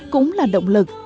cũng là động lực